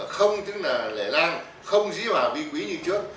không tức là lẻ lan không dí vào vi quý như trước